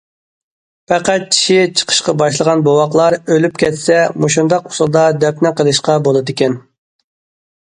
پەقەت چىشى چىقىشقا باشلىغان بوۋاقلار ئۆلۈپ كەتسە مۇشۇنداق ئۇسۇلدا دەپنە قىلىشقا بولىدىكەن.